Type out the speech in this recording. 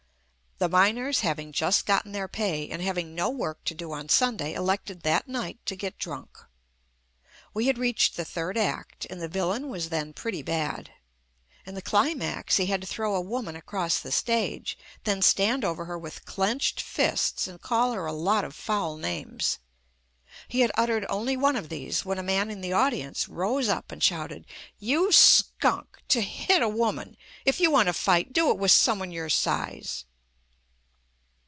The miners having just gotten their pay, and hav ing no work to do on Sunday elected that night to get drunk. We had reached the third act, and the villain was then pretty bad. In the cli max he had to throw a woman across the stage, then stand over her with clenched fists and call her a lot of foul names. He had uttered only one of these when a man in the audience rose up and shouted, "You skunk — to hit a woman. If you want to fight, do it with some one your size."